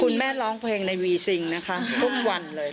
ร้องเพลงในวีซิงนะคะทุกวันเลย